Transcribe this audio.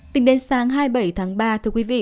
tính đến sáng hai mươi bảy tháng ba thưa quý vị